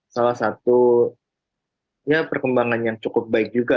salah satunya perkembangan yang cukup baik juga